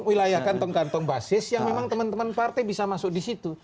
wilayah kantong kantong basis yang memang teman teman partai bisa masuk di situ